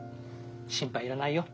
心配いらないよ。